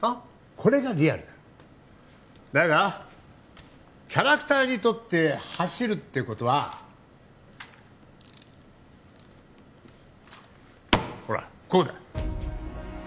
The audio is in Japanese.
これがリアルだだがキャラクターにとって走るってことはほらこうだ